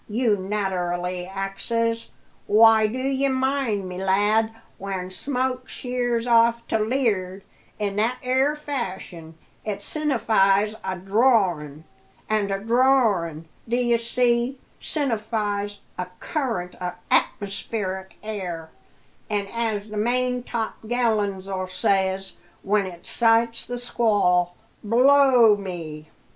you naterally axes. Why, do ye mind me, lad, when smoke sheers off to lee'ard in that 'ere fashion, it sinnifies a drorin'; and a drorin', dye see, sinnifies a current o' atmospheric air; and as the maintop gallan's'l says when it sights the squall blow me!